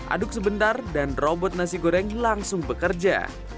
aduk sebentar dan robot nasi goreng langsung bekerja